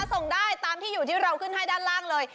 ส่งได้ตามที่อยู่ที่เราขึ้นให้ด้านล่างเลย